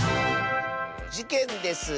「じけんです！